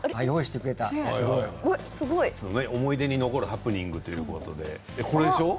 思い出に残るハプニングということで。